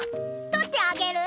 とってあげる。